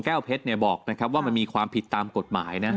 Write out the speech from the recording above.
แก้วเพชรบอกว่ามันมีความผิดตามกฎหมายนะ